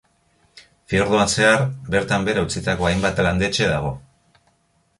Fiordoan zehar, bertan behera utzitako hainbat landetxe dago.